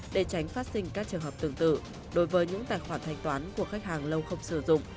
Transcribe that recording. để tránh phát sinh các trường hợp tương tự đối với những tài khoản thanh toán của khách hàng lâu không sử dụng